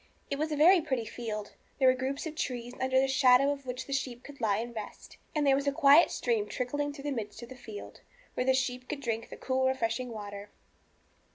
It was a very pretty field; there were groups of trees, under the shadow of which the sheep could lie and rest; and there was a quiet stream trickling through the midst of the field, where the sheep could drink the cool, refreshing water.